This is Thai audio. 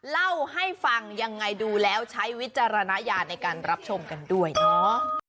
เล่าให้ฟังยังไงดูแล้วใช้วิจารณญาณในการรับชมกันด้วยเนาะ